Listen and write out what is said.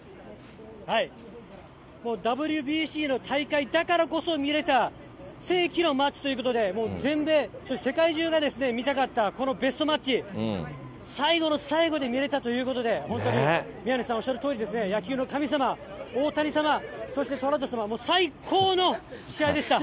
もうＷＢＣの大会だからこそ見れた世紀のマッチということで、もう全米、世界中が見たかったこのベストマッチ、最後の最後で見れたということで、本当に宮根さんおっしゃるとおりですね、野球の神様、大谷様、そしてトラウト様、最高の試合でした。